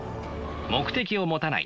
目的を持たない。